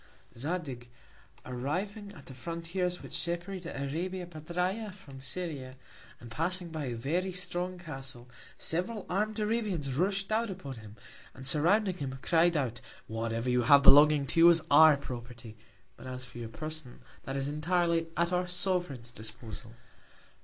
Zadig, arriving at the Frontiers which separate Arabia Petræa from Syria, and passing by a very strong Castle, several arm'd Arabians rush'd out upon him, and surrounding him, cried out: Whatever you have belonging to you is our Property, but as for your Person, that is entirely at our Sovereign's Disposal.